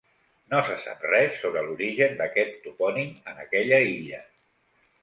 No se sap res sobre l'origen d'aquest topònim en aquella illa.